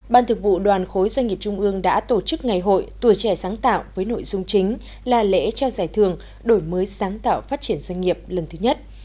ban thực vụ đoàn khối doanh nghiệp trung ương đã tổ chức ngày hội tuổi trẻ sáng tạo với nội dung chính là lễ trao giải thưởng đổi mới sáng tạo phát triển doanh nghiệp lần thứ nhất